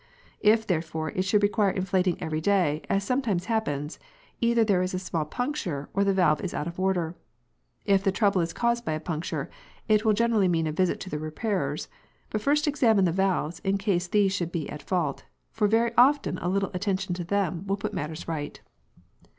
If, therefore, it should require inflating every day, as sometimes happens, either there is a small puncture, or the valve is out of order. If the trouble is caused by a puncture, it will generally mean a visit to the repairers, but first examine the valves in case these should be at fault, for very often a little attention to them will putmatters right.